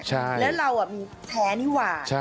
แล้วเรามีแท้นี่หว่า